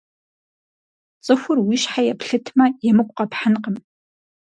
ЦӀыхур уи щхьэ еплъытмэ, емыкӀу къэпхьынкъым.